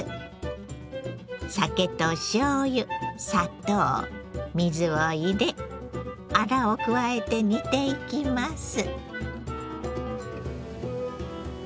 酒としょうゆ砂糖水を入れあらを加えて煮ていきます。